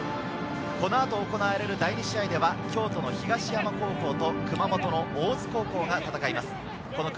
この後、行われる第２試合では京都の東山高校と、熊本の大津高校が戦います。